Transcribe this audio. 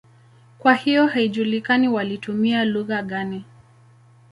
Kwa hiyo haijulikani walitumia lugha gani.